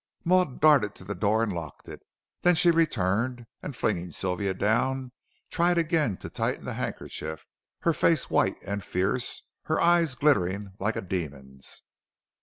Maud darted to the door and locked it. Then she returned and, flinging Sylvia down, tried again to tighten the handkerchief, her face white and fierce and her eyes glittering like a demon's.